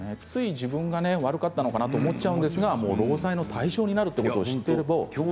つい、自分が悪かったのかなと思っちゃうんですが、労災の対象になるということを知っていると。